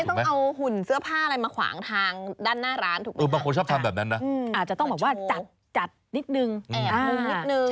คุณไม่ต้องเอาหุ่นเสื้อผ้าอะไรมาขวางทางด้านหน้าร้านถูกไหมครับอาจจะต้องแบบว่าจัดนิดนึงแอบโมงนิดนึง